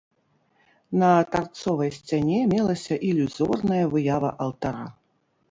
На тарцовай сцяне мелася ілюзорная выява алтара.